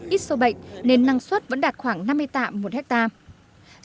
ít sâu bệnh nên năng suất vẫn đạt khoảng năm mươi tạ một hectare